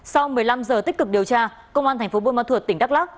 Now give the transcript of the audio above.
sau một mươi năm giờ tích cực điều tra công an tp buôn ma thuột tỉnh đắk lắc